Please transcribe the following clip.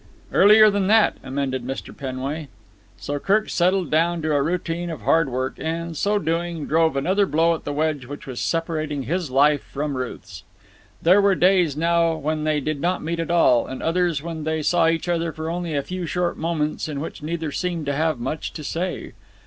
"Earlier than that," amended Mr. Penway. So Kirk settled down to a routine of hard work; and, so doing, drove another blow at the wedge which was separating his life from Ruth's. There were days now when they did not meet at all, and others when they saw each other for a few short moments in which neither seemed to have much to say.